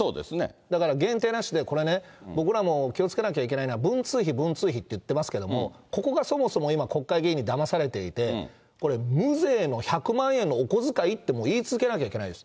だから限定なしで、これね、僕らも気をつけなければいけないのは、文通費、文通費って言ってますけど、ここがそもそも今、国会議員にだまされていて、これ、無税の１００万円のお小遣いって言い続けなきゃいけないです。